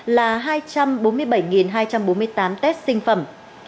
là hai trăm bốn mươi bảy hai trăm bốn mươi tám test sinh phẩm